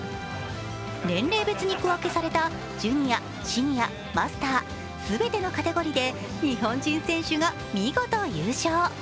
年齢別に区分けされたジュニア・シニア・マスター、全てのカテゴリーで日本人選手が見事優勝。